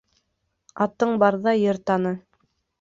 Атың барҙа ер таны